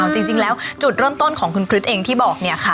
จริงแล้วจุดเริ่มต้นของคุณคริสเองที่บอกเนี่ยค่ะ